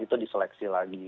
itu diseleksi lagi